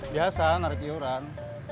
biasa narik jalan